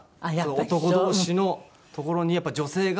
男同士のところに女性が。